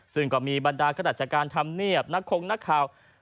ซึ่งก็มีบรรดากระดาษการทำเนียบนักโครงนักข่าว